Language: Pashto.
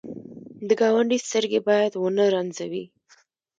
د ګاونډي سترګې باید ونه رنځوې